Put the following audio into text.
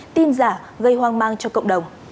tin giả gây hoang mang cho cộng đồng